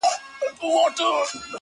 کلونه وروسته هم يادېږي تل،